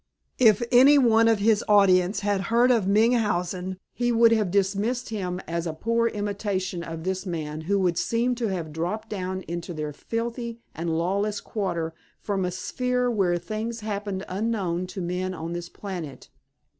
If any one of his audience had heard of Munchausen he would have dismissed him as a poor imitation of this man who would seem to have dropped down into their filthy and lawless quarter from a sphere where things happened unknown to men on this planet.